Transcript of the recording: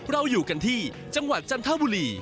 เราอยู่กันที่จังหวัดจันทบุรี